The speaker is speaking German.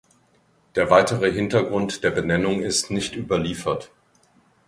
Der weitere Hintergrund der Benennung ist nicht überliefert.